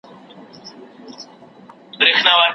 ما د سید قطب اثار هم مطالعه کړل.